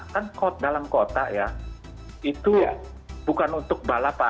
kan dalam kota ya itu bukan untuk balapan